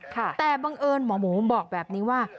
แต่บังเอิญหมอหมูบอกแบบนี้ว่า